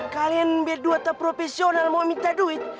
kalian berdua tetap profesional mau minta duit